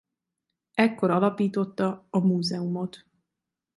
Ekkor alapította a múzeumot.